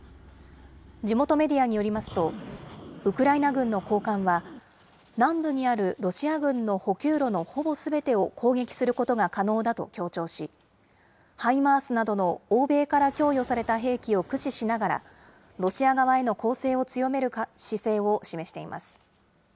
地元メディアによりますと、ウクライナ軍の高官は、南部にあるロシア軍の補給路のほぼすべてを攻撃することが可能だと強調し、ハイマースなどの欧米から供与された兵器を駆使しながら、ロシア側への攻勢を強める姿勢を示しています。